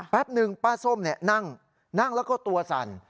แป๊บนึงป้าส้มนั่งนั่งแล้วก็ตัวสั่น